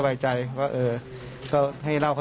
ในกระดับ๑๐นาทีมาเป็น